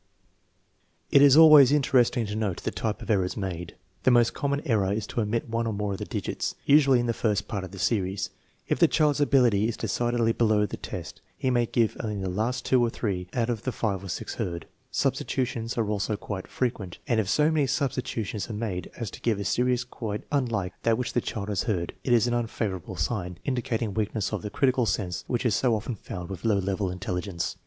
It is always interesting to note the type of errors made. The most common error is to omit one or more of the digits, usually in the first part of the series. If the child's ability is decidedly below the test he may give only the last two or three out of the five or six heard. Substitutions are also quite frequent, and if so many substitutions are made as to give a series quite unlike that which the child has heard, it is an unfavorable sign, indicating weakness of the critical sense which is so often found with low level intelligence.